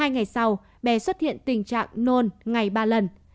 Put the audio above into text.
hai ngày sau bé xuất hiện tình trạng nôn ngày ba lần